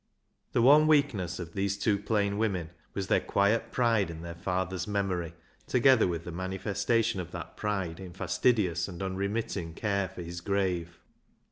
The one weakness of these two plain women was their quiet pride in their father's memory, together with the manifestation of that pride in fastidious and unremitting care for his grave.